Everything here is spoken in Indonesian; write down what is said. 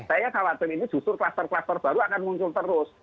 saya khawatir ini justru kluster kluster baru akan muncul terus